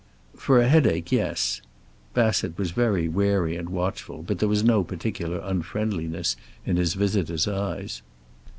"For a headache, yes." Bassett was very wary and watchful, but there was no particular unfriendliness in his visitor's eyes.